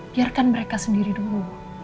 biarkan mereka sendiri dulu